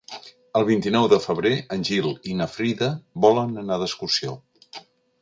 El vint-i-nou de febrer en Gil i na Frida volen anar d'excursió.